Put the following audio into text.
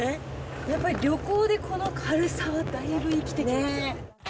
やっぱり旅行でこの軽さはだいぶ生きてきますよ。